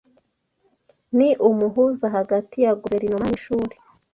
Ni umuhuza hagati ya guverinoma nishuri